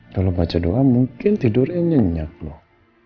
kalau baca doa mungkin tidurnya nyenyak loh